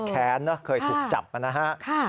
แค้นนะเคยถูกจับมานะฮะ